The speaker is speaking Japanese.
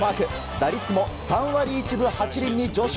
打率も３割１分８厘に上昇。